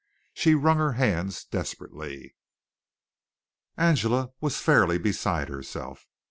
She wrung her hands desperately. Angela was fairly beside herself.